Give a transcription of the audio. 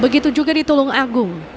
begitu juga di tulung agung